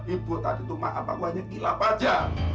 ibu tadi tuh mah apaku hanya kilap aja